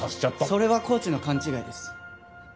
それはコーチの勘違いです。